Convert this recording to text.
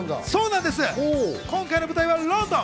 今回の舞台はロンドン。